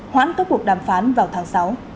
hoãn các cuộc đàm phán vào tháng sáu